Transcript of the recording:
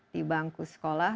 di bangku sekolah